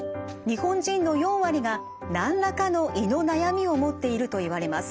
日本人の４割が何らかの胃の悩みを持っているといわれます。